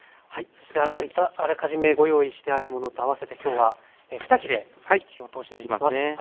そしてあらかじめご用意してあるものとあわせて今日は２切れ火を通していきます。